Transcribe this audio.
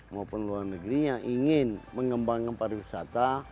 maupun luar negeri yang ingin mengembangkan pariwisata